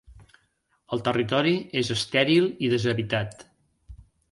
El territori és estèril i deshabitat.